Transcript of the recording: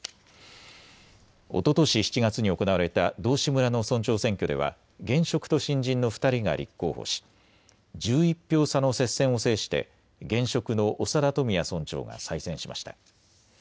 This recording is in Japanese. おととし７月に行われた道志村の村長選挙では現職と新人の２人が立候補し１１票差の接戦を制して現職の長田富也村長が再選しました。